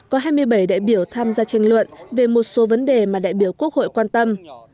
có hai mươi bảy đại biểu tham gia tranh luận về một số vấn đề mà đại biểu quốc hội quan tâm